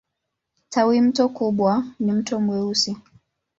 Tawimto kubwa ni Mto Mweusi.